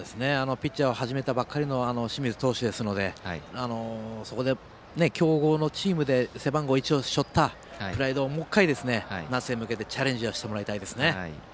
ピッチャーを始めたばかりの清水投手ですので強豪チームで背番号１を背負ったというプライドで、もう１回夏に向けてチャレンジをしてもらいたいですね。